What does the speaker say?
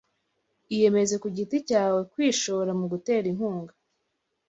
Iyemeze kugiti cyawe kwishora mugutera inkunga